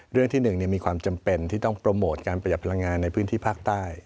เรื่องที่๑มีความจำเป็นที่ต้องโปรโมทการประหยัดพลังงานในพื้นที่ภาคใต้